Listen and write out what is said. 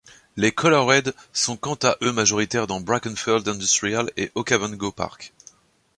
Les coloureds sont quant à eux majoritaires dans Brackenfell Industrial et Okavango Park.